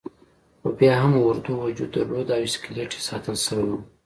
خو بیا هم اردو وجود درلود او اسکلیت یې ساتل شوی وو.